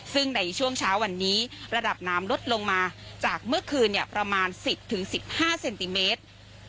ซึ่งในช่วงเช้าวันนี้ระดับน้ำลดลงมาจากเมื่อคืนเนี้ยประมาณสิบถึงสิบห้าเซนติเมตร